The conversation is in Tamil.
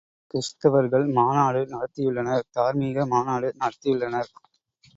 கிறிஸ்தவர்கள் மாநாடு நடத்தியுள்ளனர் தார்மீக மாநாடு நடத்தியுள்ளனர்.